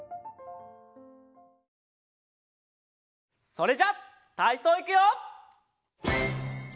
それじゃたいそういくよ！